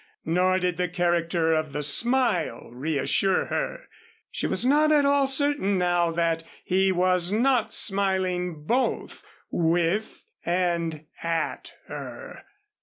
Nor did the character of the smile reassure her. She was not at all certain now that he was not smiling both with and at her.